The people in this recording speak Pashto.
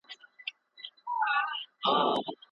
سياستوالو په حکومت کي د شريکېدلو پرېکړه وکړه.